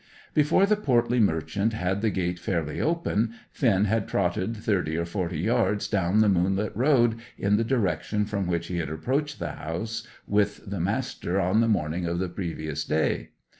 Before the portly merchant had the gate fairly open, Finn had trotted thirty or forty yards down the moonlit road in the direction from which he had approached the house with the Master on the morning of the previous day.